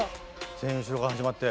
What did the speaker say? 全員後ろから始まって。